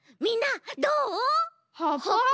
みんなどう？